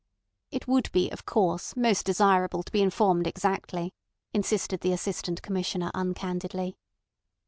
"It would be, of course, most desirable to be informed exactly," insisted the Assistant Commissioner uncandidly.